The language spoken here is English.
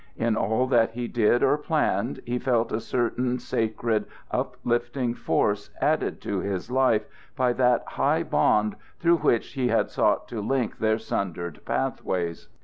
In all that he did or planned he felt a certain sacred, uplifting force added to his life by that high bond through which he had sought to link their sundered path ways.